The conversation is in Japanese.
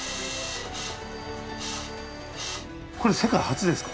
これ世界初ですか？